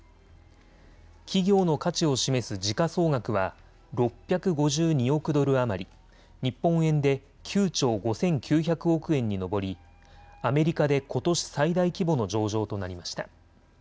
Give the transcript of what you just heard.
企業の価値を示す時価総額は６５２億ドル余り日本円で９兆５９００億円に上りアメリカでことし最大規模の上場となりました。